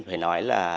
phải nói là